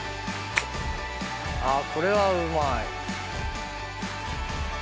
あっこれはうまい。